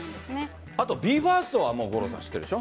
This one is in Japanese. あと、ＢＥ：ＦＩＲＳＴはもう五郎さん、知ってるでしょ。